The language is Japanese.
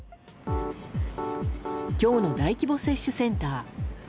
今日の大規模接種センター。